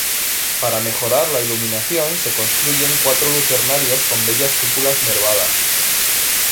Para mejorar la iluminación se construyen cuatro lucernarios con bellas cúpulas nervadas.